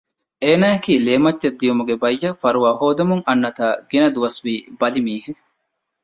އޭނާއަކީ ލޭމައްޗަށް ދިއުމުގެ ބައްޔަށް ފަރުވާހޯދަމުން އަންނަތާ ގިނަ ދުވަސްވީ ބަލިމީހެއް